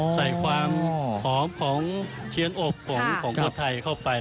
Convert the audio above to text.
ใส่ความหอมของเทียนอบของคนไทยเข้าไป